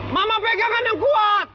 mama pegang yang kuat